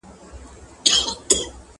دنیا د غم په ورځ پیدا ده!.